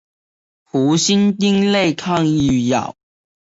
氟西汀类抗抑郁药。